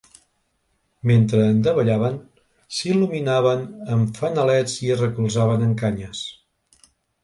Mentre en davallaven, s’il·luminaven amb fanalets i es recolzaven en canyes.